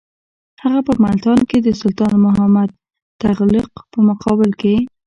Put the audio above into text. هغه په ملتان کې د سلطان محمد تغلق په مقابل کې.